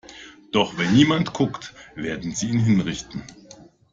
Doch wenn niemand guckt, werden sie ihn hinrichten.